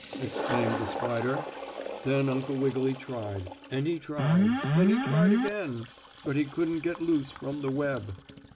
exclaimed the spider. Then Uncle Wiggily tried, and he tried, and he tried again, but he couldn't get loose from the web.